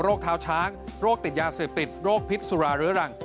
โรคเท้าช้างโรคติดยาเสียบติดโรคพิษสุรร้างรึย์รัง